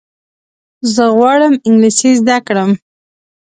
زه غواړم انګلیسي زده کړم.